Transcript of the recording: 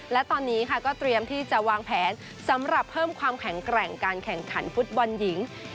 และตอนนี้ค่ะก็เตรียมที่จะวางแผนสำหรับเพิ่มความแข็งแกร่งการแข่งขันฟุตบอลหญิง